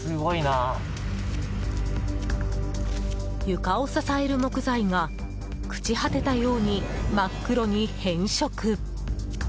床を支える木材が朽ち果てたように真っ黒に変色。